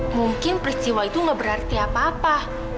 mungkin peristiwa itu gak berarti apa apa